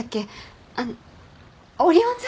あっオリオン座？